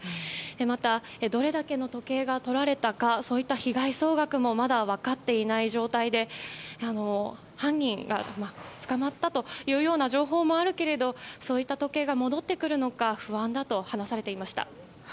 また、どれだけの時計がとられたかといった被害総額もまだ分かっていない状態で犯人が捕まったというような情報もあるけれどそういった時計が戻ってくるのか不安だと話されていました。